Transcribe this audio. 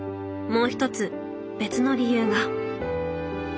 もう一つ別の理由が。